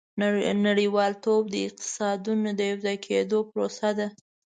• نړیوالتوب د اقتصادونو د یوځای کېدو پروسه ده.